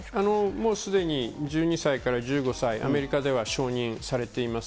もうすでに１２歳から１５歳、アメリカでは承認されています。